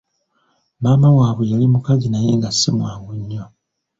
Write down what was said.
Maama waabwe yali mukazi naye nga si mwangu nnyo.